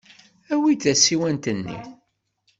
Awi-d tasiwant-nni.